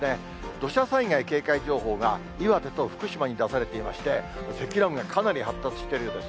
土砂災害警戒情報が岩手と福島に出されていまして、積乱雲がかなり発達しているようです。